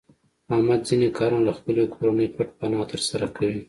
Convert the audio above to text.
احمد ځنې کارونه له خپلې کورنۍ پټ پناه تر سره کوي.